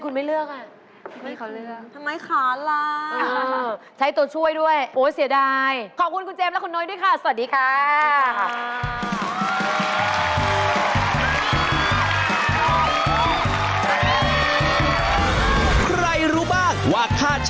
ใครคุณคุณว่าแล้วอันนี้ใครคุณคุณว่าแล้ว